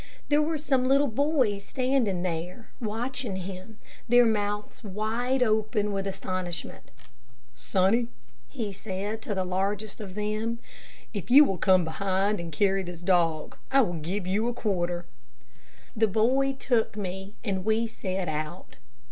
There were some little boys standing there, watching him, their mouths wide open with astonishment. "Sonny," he said to the largest of them, "if you will come behind and carry this dog, I will give you a quarter." The boy took me, and we set out.